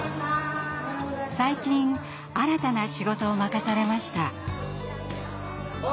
最近新たな仕事を任されました。